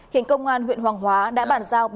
hiện công an huyện hoàng hóa đã bàn giao